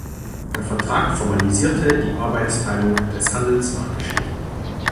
Der Vertrag formalisierte die Arbeitsteilung des Handels nach Geschlecht.